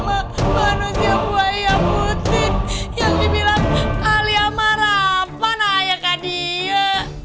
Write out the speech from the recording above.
maka manusia buaya putih yang dibilang alia marapan ayah kadiah